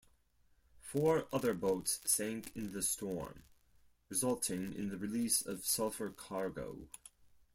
Four other boats sank in the storm, resulting in the release of sulphur cargo.